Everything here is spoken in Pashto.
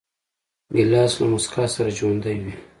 ګیلاس له موسکا سره ژوندی وي.